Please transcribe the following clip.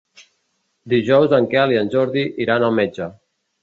Dijous en Quel i en Jordi iran al metge.